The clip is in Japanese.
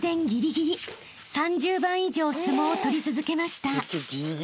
［３０番以上相撲を取り続けました］